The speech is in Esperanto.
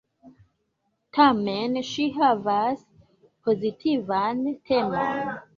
Tamen ŝi havas pozitivan temon.